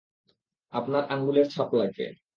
আপনার আঙ্গুলের ছাপ লাগবে।